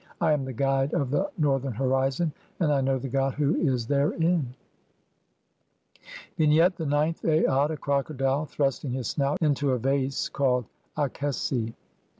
(8) I am the "guide of the northern horizon [and I know the god who is "therein]." IX. Vignette : The ninth Aat. A crocodile thrusting his snout into a vase (?) called Akesi.